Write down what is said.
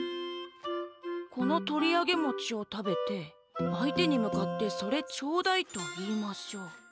「この『とりあげもち』を食べて、相手にむかって『それ、ちょうだい』と言いましょう」。